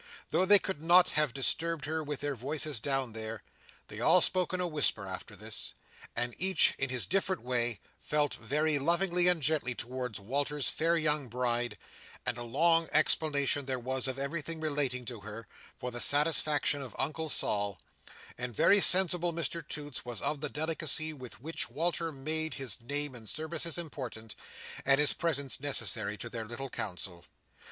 Though they could not have disturbed her with their voices down there, they all spoke in a whisper after this: and each, in his different way, felt very lovingly and gently towards Walter's fair young bride: and a long explanation there was of everything relating to her, for the satisfaction of Uncle Sol; and very sensible Mr Toots was of the delicacy with which Walter made his name and services important, and his presence necessary to their little council.